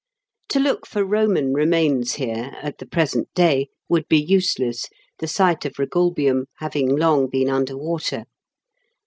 To look for Eoman remains here at the present day would be useless, the site of Eegulbium having long been under water.